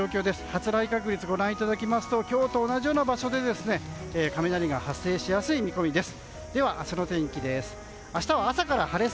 発雷確率ご覧いただきますと今日と同じような場所で雷が発生しやすい見込みです。